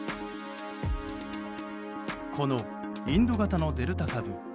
このインド型のデルタ株。